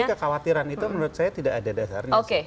tapi kekhawatiran itu menurut saya tidak ada dasarnya